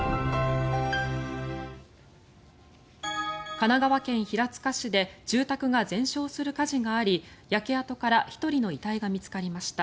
神奈川県平塚市で住宅が全焼する火事があり焼け跡から１人の遺体が見つかりました。